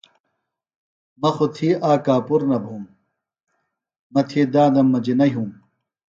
مہ خوۡ تھی آک کاپُر نہ بُھوم مہ تھی داندم مجیۡ نہ یُھوم